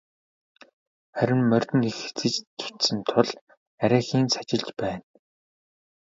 Харин морьд нь их эцэж цуцсан тул арайхийн сажилж байна.